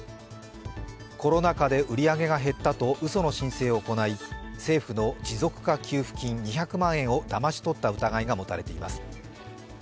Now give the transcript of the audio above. コロナ禍で売り上げが減ったとうその申請を行い、政府の持続化給付金２００万円をだまし取った疑いが持たれています。